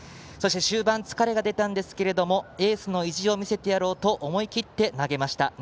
そして、終盤疲れが出たんですけどエースの意地を見せてやろうと思い切って投げました。